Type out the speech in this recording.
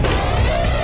saya gak butuh uang